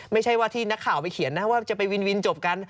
ไม่ใช่ว่าที่นักข่าวไปเขียนนะว่าจะไปวินจบกัน